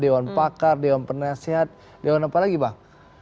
dewan pakar dewan penasehat dewan apa lagi bang